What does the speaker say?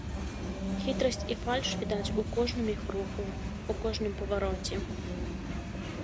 Хітрасць і фальш відаць у кожным іх руху, у кожным павароце.